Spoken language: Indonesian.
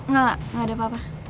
gak ada apa apa